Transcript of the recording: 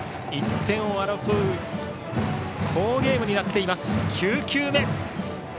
１点を争う好ゲームになっています。